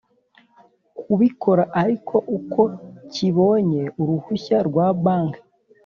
kubikora ari uko cyibonye uruhushya rwa Banki